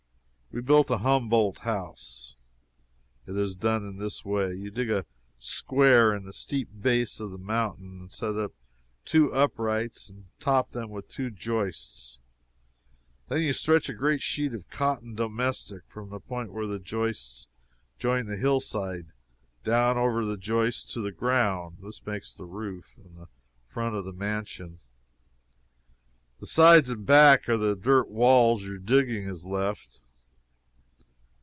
We built a Humboldt house. It is done in this way. You dig a square in the steep base of the mountain, and set up two uprights and top them with two joists. Then you stretch a great sheet of "cotton domestic" from the point where the joists join the hill side down over the joists to the ground; this makes the roof and the front of the mansion; the sides and back are the dirt walls your digging has left.